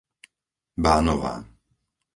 Bánová